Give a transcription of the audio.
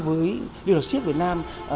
với liên hợp xiếc việt nam